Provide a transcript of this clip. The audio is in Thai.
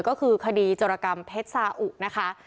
ก็คือคดีจรกรรมเผ็ดซาหุบนะคะ